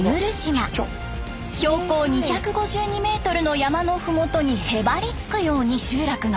標高２５２メートルの山の麓にへばりつくように集落が。